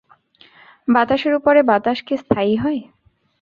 বাতাসের উপরে বাতাস কি স্থায়ী হয়।